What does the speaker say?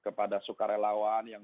kepada sukarelawan yang